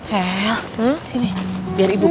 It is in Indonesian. hel sini biar ibu